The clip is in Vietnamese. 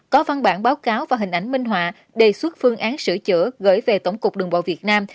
có văn bản báo cáo và hình ảnh minh họa đề xuất phương án sửa chữa gửi về tổng cục đường bộ việt nam